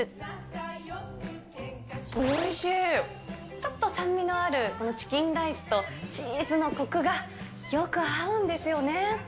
ちょっと酸味のある、このチキンライスとチーズのこくがよく合うんですよね。